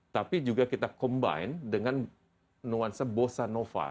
tapi juga kita combine dengan nuansa bosanova